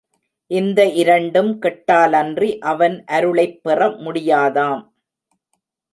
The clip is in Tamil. இந்த இரண்டும் கெட்டாலன்றி அவன் அருளைப் பெற முடியாதாம்.